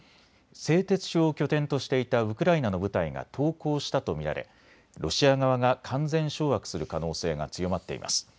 製鉄所を拠点としていたウクライナの部隊が投降したと見られロシア側が完全掌握する可能性が強まっています。